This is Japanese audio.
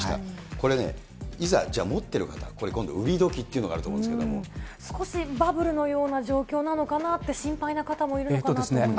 これね、いざじゃあ持っている方、これ今度売り時っていうのがあると思う少しバブルのような状況なのかなって心配な方もいるのかなと思います。